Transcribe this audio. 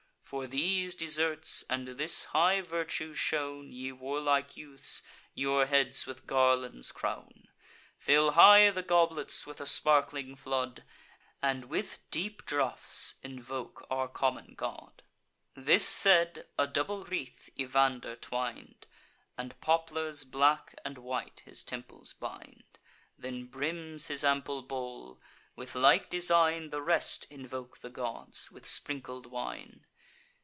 For these deserts, and this high virtue shown, Ye warlike youths, your heads with garlands crown: Fill high the goblets with a sparkling flood, And with deep draughts invoke our common god." This said, a double wreath Evander twin'd, And poplars black and white his temples bind. Then brims his ample bowl. With like design The rest invoke the gods, with sprinkled wine.